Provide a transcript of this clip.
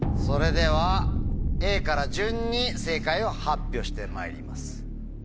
それではＡから順に正解を発表してまいります。